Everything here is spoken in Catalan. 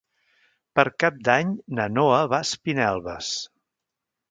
Per Cap d'Any na Noa va a Espinelves.